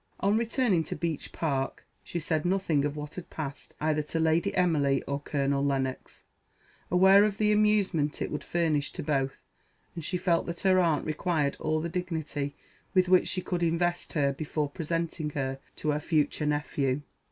On returning to Beech Park she said nothing of what had passed either to Lady Emily or Colonel Lennox aware of the amusement it would furnish to both; and she felt that her aunt required all the dignity with which she could invest her before presenting her to her future nephew.